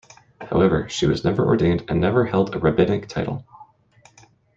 However, she was never ordained, and never held a rabbinic title.